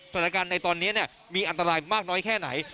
สถานการณ์ในตอนนี้มีอันตรายมากน้อยแค่ไหน